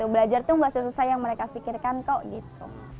belajar tuh gak sesusah yang mereka pikirkan kok gitu